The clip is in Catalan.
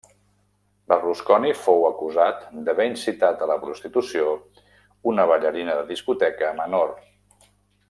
Berlusconi fou acusat d'haver incitat a la prostitució una ballarina de discoteca menor.